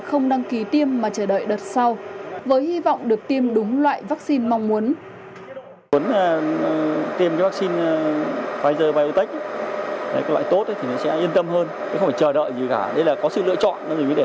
không đăng ký tiêm mà chờ đợi đợt sau với hy vọng được tiêm đúng loại vaccine mong muốn